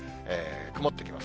曇ってきます。